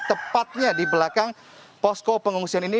tepatnya di belakang posko pengungsian ini